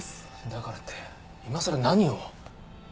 だからって今さら何を。